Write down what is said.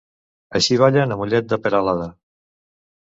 Així ballen a Mollet de Peralada.